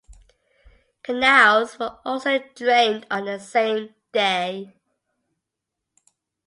Canals were also drained on the same day.